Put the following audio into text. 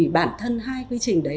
còn hai quy trình đấy